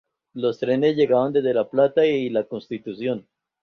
Los trenes llegaban desde La Plata y de Constitución.